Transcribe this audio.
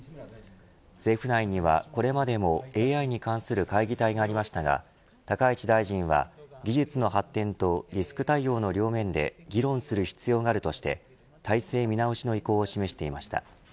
政府内には、これまでもＡＩに関する会議体がありましたが高市大臣は技術の発展とリスク対応の両面で議論する必要があるとして体制見直しの意向を示していました。